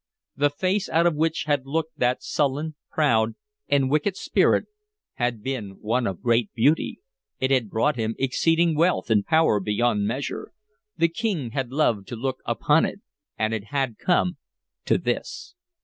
The face out of which had looked that sullen, proud, and wicked spirit had been one of great beauty; it had brought him exceeding wealth and power beyond measure; the King had loved to look upon it; and it had come to this.